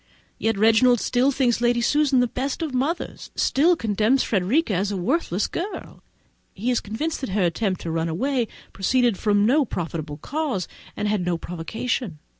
Yet Reginald still thinks Lady Susan the best of mothers, and still condemns Frederica as a worthless girl! He is convinced that her attempt to run away proceeded from no justifiable cause, and had no provocation.